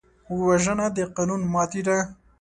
وژنه د قانون ماتې ده